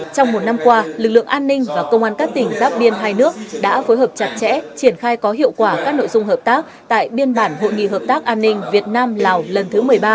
trong một năm qua lực lượng an ninh và công an các tỉnh giáp biên hai nước đã phối hợp chặt chẽ triển khai có hiệu quả các nội dung hợp tác tại biên bản hội nghị hợp tác an ninh việt nam lào lần thứ một mươi ba